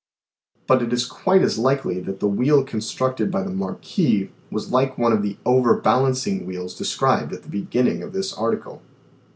But it is quite as likely that the wheel constructed by the Marquis was like one of the "overbalancing" wheels described at the beginning of this article.